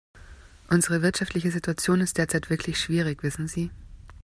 Unsere wirtschaftliche Situation ist derzeit wirklich schwierig, wissen Sie.